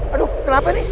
aduh kenapa nih